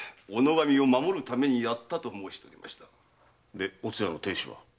でおつやの亭主は？